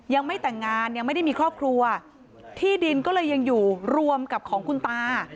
ยังไม่แต่งงานยังไม่ได้มีครอบครัวที่ดินก็เลยยังอยู่รวมกับของคุณตา